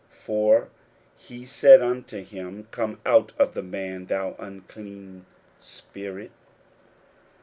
41:005:008 For he said unto him, Come out of the man, thou unclean spirit.